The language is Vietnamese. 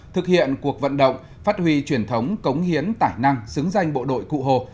thực hiện cuộc vận động phát huy truyền thống cống hiến tài năng xứng danh bộ đội cụ hồ